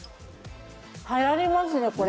流行りますねこれ。